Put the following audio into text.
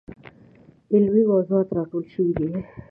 علمي موضوعات راټول شوي دي.